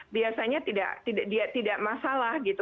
biasanya tidak masalah gitu